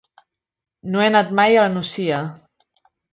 No he anat mai a la Nucia.